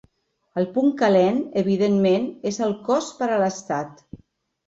El punt calent, evidentment, és el cost per a l’estat.